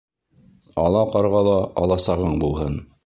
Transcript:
Ала ҡарғала аласағың булһын